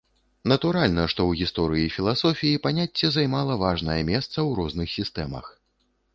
Натуральна, што і ў гісторыі філасофіі паняцце займала важнае месца ў розных сістэмах.